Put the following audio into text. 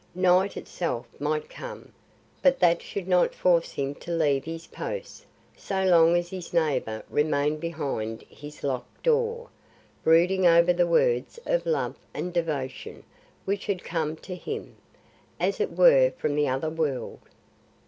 Night itself might come, but that should not force him to leave his post so long as his neighbour remained behind his locked door, brooding over the words of love and devotion which had come to him, as it were from the other world.